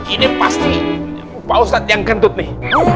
ini pasti bau yang kentut nih